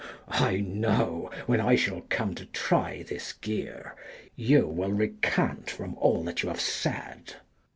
I know, when I shall come to try this gear You will recant from all that you have said.